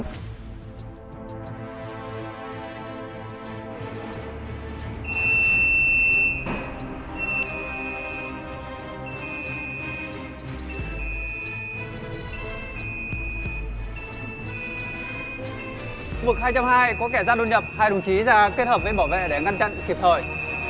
khu vực hai trăm hai mươi có kẻ gian đột nhập hai đồng chí ra kết hợp với bảo vệ để ngăn chặn kịp thời